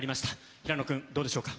平野君、どうでしょうか？